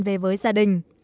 về với gia đình